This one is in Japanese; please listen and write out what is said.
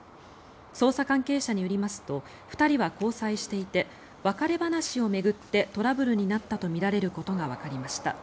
捜査関係者によりますと２人は交際していて別れ話を巡ってトラブルになったとみられることがわかりました。